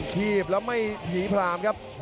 ทีบแล้วไม่ผีพรามครับ